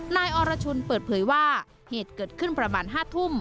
นายอรชุนเปิดเผยว่าเหตุเกิดขึ้นประมาณ๕ทุ่ม